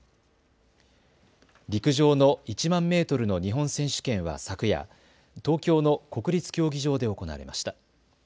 陸上の１００００メートルの日本選手権は昨夜、東京の国立競技場で行われました。